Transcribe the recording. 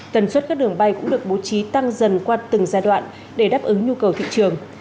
tần suất các đường bay cũng được bố trí tăng dần qua từng giai đoạn để đáp ứng nhu cầu thị trường